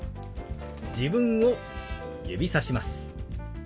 自分を指さします。